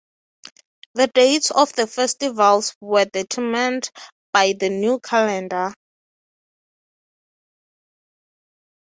The dates of the festivals were determined by the new calendar.